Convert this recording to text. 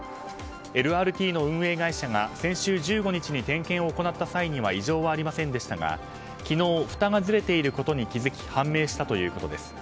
ＬＲＴの運営会社が先週１５日に点検を行った際には異常はありませんでしたが昨日、ふたがずれていることに気づき判明したということです。